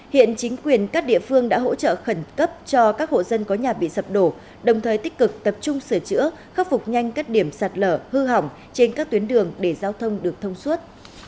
hiện chính quyền các địa phương đã hỗ trợ khẩn cấp cho các hộ dân có nhà bị sập đổ đồng thời tích cực tập trung sửa chữa khắc phục nhanh các điểm sạt lở hư hỏng trên các tuyến đường để giao thông được thông suốt